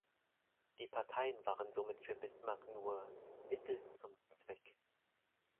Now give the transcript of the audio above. Die Parteien waren somit für Bismarck nur „Mittel zum Zweck“.